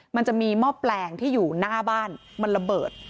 มันจะมีหม้อแปลงที่อยู่หน้าบ้านมันระเบิด